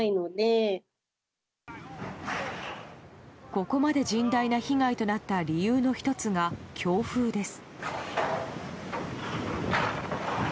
ここまで甚大な被害となった理由の１つが強風です。